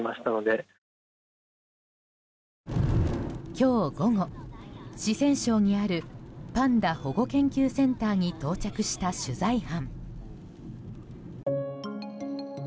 今日午後、四川省にあるパンダ保護研究センターに到着した取材班。